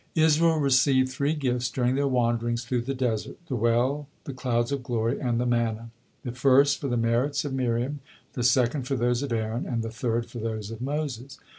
Israel received three gifts during their wanderings through the desert: the well, the clouds of glory, and the manna; the first for the merits of Miriam, the second for those of Aaron, and the third for those of Moses.